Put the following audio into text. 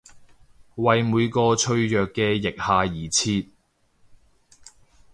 為每個脆弱嘅腋下而設！